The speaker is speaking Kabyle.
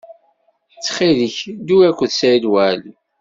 Ttxil-k, ddu akked Saɛid Waɛli.